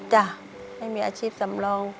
จ้ะไม่มีอาชีพสำรอง